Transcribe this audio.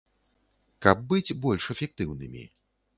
Каб быць больш эфектыўнымі.